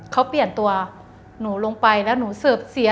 เขาเปลี่ยนตัวหนูลงไปแล้วหนูเสิร์ฟเสีย